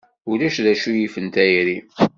Ulac d acu yifen tayri.